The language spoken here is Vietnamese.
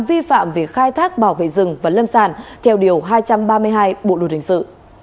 vi phạm về khai thác bảo vệ rừng và lâm sàn theo điều hai trăm ba mươi hai bộ đội đình sự